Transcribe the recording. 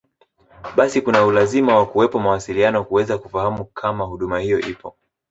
Basi kuna ulazima wa kuwepo mawasiliano kuweza kufahamu kama huduma hiyo ipo